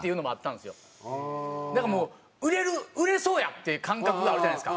なんかもう売れる売れそうやっていう感覚があるじゃないですか。